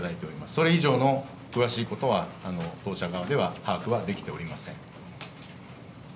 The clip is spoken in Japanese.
それ以上の詳しいことは、当社側では把握はできておりません。